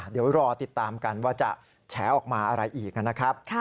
เดี๋ยวรอติดตามกันว่าจะแฉออกมาอะไรอีกนะครับ